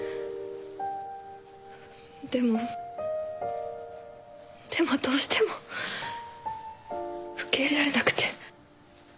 でもでもどうしても受け入れられなくて。